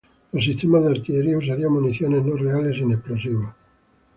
Los sistemas de artillería usarían municiones no reales sin explosivos.